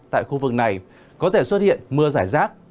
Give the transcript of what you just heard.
tại khu vực này có thể xuất hiện mưa giải rác